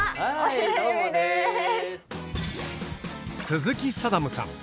鈴木定さん。